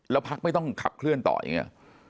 แล้วพักไม่ต้องขับเคลื่อนต่ออย่างนี้